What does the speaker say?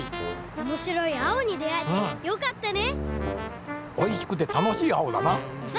おもしろい青にであえてよかったね！